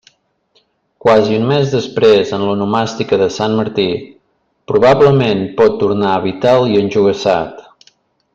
Quasi un mes després en l'onomàstica de Sant Martí, probablement pot tornar vital i enjogassat.